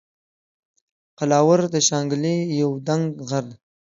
قلاور د شانګلې یو دنګ غر دے